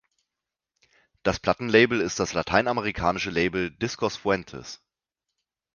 Das Plattenlabel ist das lateinamerikanische Label „Discos Fuentes“.